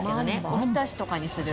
おひたしとかにする。